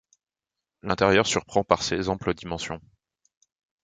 L'intérieur surprend par ses amples dimensions.